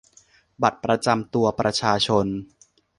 บัตรประจำตัวประชาชน